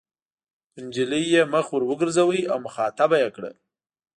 پر نجلۍ یې مخ ور وګرځاوه او مخاطبه یې کړه.